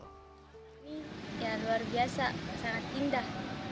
ini ya luar biasa sangat indah